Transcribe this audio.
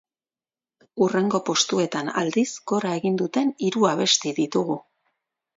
Hurrengo postuetan, aldiz, gora egin duten hiru abesti ditugu.